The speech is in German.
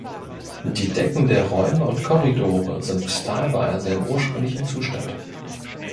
Die Decken der Räume und Korridore sind teilweise in ursprünglichem Zustand.